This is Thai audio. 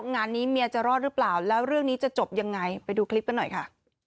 งานนี้เมียจะรอดหรือเปล่าแล้วเรื่องนี้จะจบยังไงไปดูคลิปกันหน่อยค่ะ